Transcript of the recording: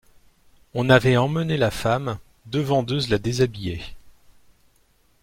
On avait emmené la femme, deux vendeuses la déshabillaient.